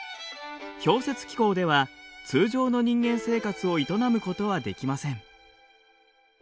氷雪気候では通常の人間生活を営むことはできません。